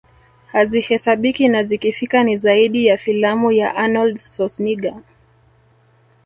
hazihesabiki na zikifika ni zaidi ya filamu ya Arnold Schwarzenegger